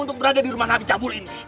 untuk berada di rumah nabi cabul ini